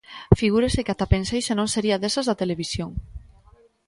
Figúrese que ata pensei se non sería desas da televisión.